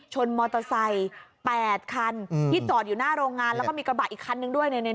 มอเตอร์ไซค์๘คันที่จอดอยู่หน้าโรงงานแล้วก็มีกระบะอีกคันนึงด้วย